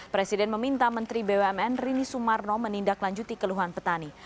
presiden meminta menteri bumn rini sumarno menindaklanjuti keluhan petani